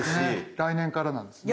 来年からなんですね。